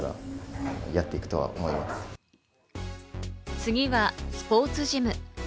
次はスポーツジム。